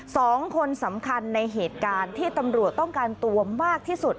สองคนสำคัญในเหตุการณ์ที่ตำรวจต้องการตัวมากที่สุด